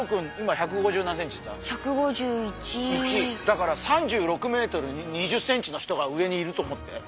だから３６ｍ２０ｃｍの人が上にいると思って。